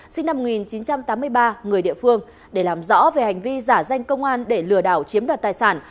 sinh năm một nghìn chín trăm tám mươi ba người địa phương để làm rõ về hành vi giả danh công an để lừa đảo chiếm đoạt tài sản